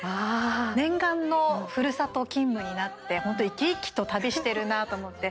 念願のふるさと勤務になって本当、生き生きと旅してるなと思って。